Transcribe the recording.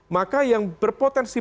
maka yang berpotensi